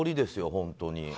本当に。